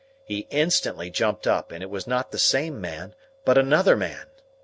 He instantly jumped up, and it was not the same man, but another man!